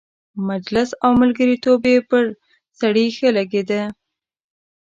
مجلس او ملګرتوب یې پر سړي ښه لګېده.